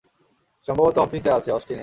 সম্ভবত অফিসে আছে, অস্টিনে।